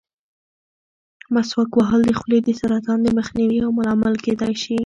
مسواک وهل د خولې د سرطان د مخنیوي یو لامل کېدای شي.